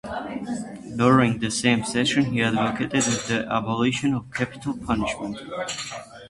During the same session he advocated the abolition of capital punishment.